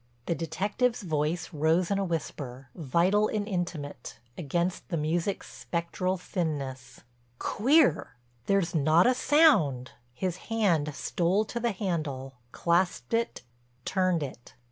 The detective's voice rose in a whisper, vital and intimate, against the music's spectral thinness: "Queer. There's not a sound." His hand stole to the handle, clasped it, turned it.